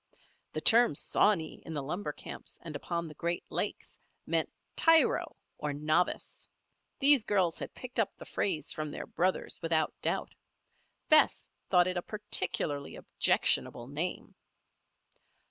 The term "sawney" in the lumber camps and upon the Great Lakes, means tyro, or novice. These girls had picked up the phrase from their brothers, without doubt. Bess thought it a particularly objectionable name.